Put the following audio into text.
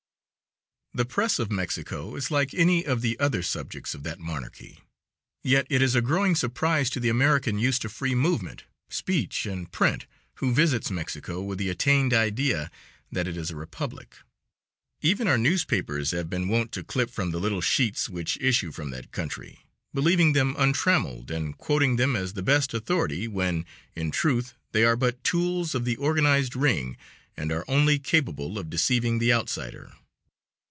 The press of Mexico is like any of the other subjects of that monarchy, yet it is a growing surprise to the American used to free movement, speech and print who visits Mexico with the attained idea that it is a republic. Even our newspapers have been wont to clip from the little sheets which issue from that country, believing them untrammeled, and quoting them as the best authority, when, in truth, they are but tools of the organized ring, and are only capable of deceiving the outsider.